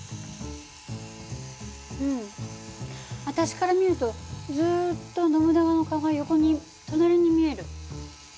うん私から見るとずっとノブナガの顔が横に隣に見える。